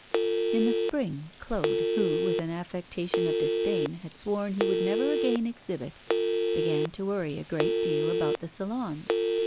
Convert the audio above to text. In the spring, Claude, who, with an affectation of disdain, had sworn he would never again exhibit, began to worry a great deal about the Salon.